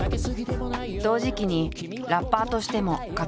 同時期にラッパーとしても活動開始。